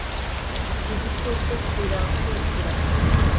igicucu kirakurikira